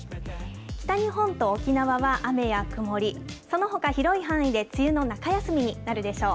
北日本と沖縄は雨や曇り、そのほか広い範囲で梅雨の中休みになるでしょう。